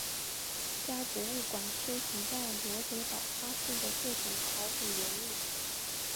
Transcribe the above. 该博物馆收藏在罗得岛发现的各种考古文物。